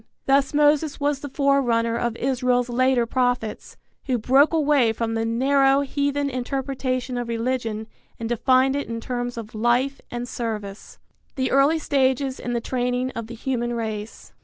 Thus Moses was the forerunner of Israel's later prophets, who broke away from the narrow heathen interpretation of religion and defined it in terms of life and service. VI. THE EARLY STAGES IN THE TRAINING OF THE HUMAN RACE.